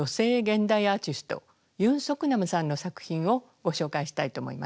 現代アーティストユン・ソクナムさんの作品をご紹介したいと思います。